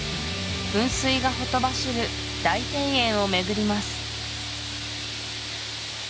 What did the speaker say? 噴水がほとばしる大庭園を巡ります